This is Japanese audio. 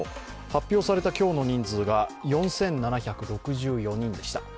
発表された今日の人数が４７６４人でした。